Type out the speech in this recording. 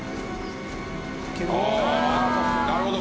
あなるほど！